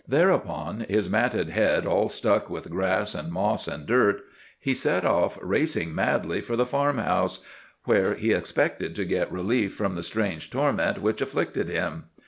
Thereupon, his matted head all stuck with grass and moss and dirt, he set off racing madly for the farm house, where he expected to get relief from the strange torment which afflicted him.